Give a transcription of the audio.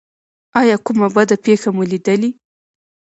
ایا کومه بده پیښه مو لیدلې؟